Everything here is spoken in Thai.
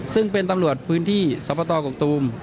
ซึ่งเป็นตำรวจพื้นที่สบตกตูม